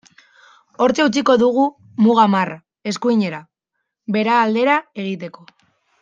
Hortxe utziko dugu muga marra, eskuinera, Bera aldera, egiteko.